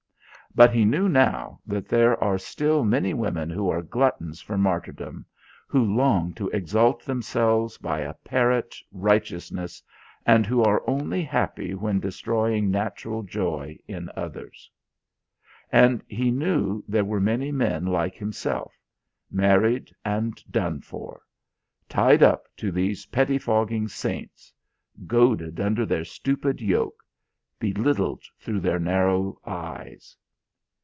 But he knew now that there are still many women who are gluttons for martyrdom, who long to exalt themselves by a parrot righteousness, and who are only happy when destroying natural joy in others. And he knew there were many men like himself, married and done for; tied up to these pettifogging saints; goaded under their stupid yoke; belittled through their narrow eyes.